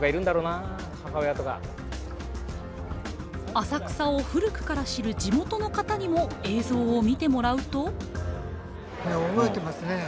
浅草を古くから知る地元の方にも映像を見てもらうと。